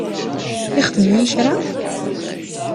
Ixdem-iyi kra?